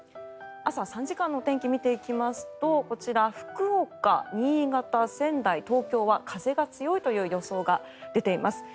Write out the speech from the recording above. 朝３時間のお天気を見てみますと福岡、新潟、仙台、東京は風が強いという予想が出ています。